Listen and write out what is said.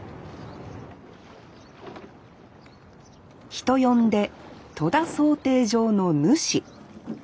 人呼んで「戸田漕艇場の主」。